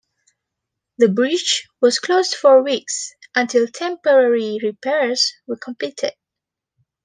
The bridge was closed for weeks until temporary repairs were completed.